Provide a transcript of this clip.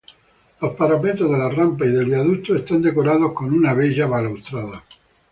Los parapetos de las rampas y del viaducto están decorados con una bella balaustrada.